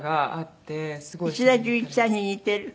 石田純一さんに似てる？